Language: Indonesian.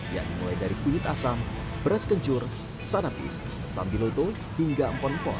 yang mulai dari kuit asam beras kencur sanapis sambiloto hingga empon pon